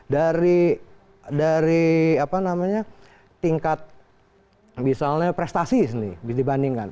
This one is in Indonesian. dari apa namanya tingkat misalnya prestasi disini dibandingkan